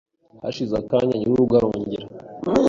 Hashize akanya nyir'urugo arongera